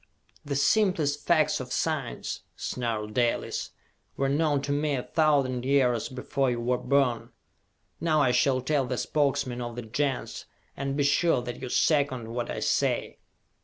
"The simplest facts of science," snarled Dalis, "were known to me a thousand years before you were born! Now I shall tell the Spokesmen of the Gens, and be sure that you second what I say!"